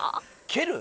蹴る？